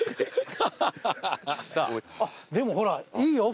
でもほらいいよ